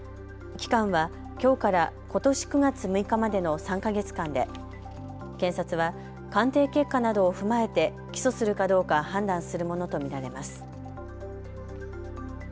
期間は、きょうからことし９月６日までの３か月間で検察は鑑定結果などを踏まえて起訴するかどうか判断するものと見られます。